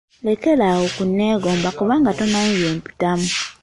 Lekera awo okunneegomba kubanga tomanyi bye mpitamu.